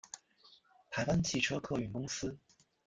台湾汽车客运公司